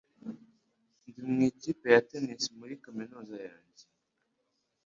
Ndi mu ikipe ya tennis muri kaminuza yanjye.